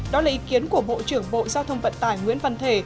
đó là ý kiến của bộ trưởng bộ giao thông vận tải nguyễn văn thể